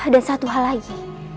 dan satu hal lagi